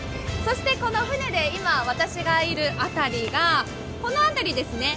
この船で今私がいる辺りがこの辺りですね。